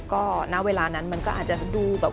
ก็ณเวลานั้นมันก็อาจจะดูแบบ